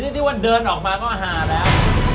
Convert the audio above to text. ที่ว่าเดินออกมาก็หาแล้ว